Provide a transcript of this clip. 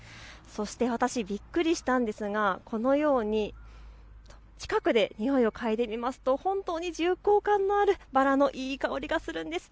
私、びっくりしたんですが近くでにおいを嗅いでみますと本当に重厚感のあるバラのいい香りがするんです。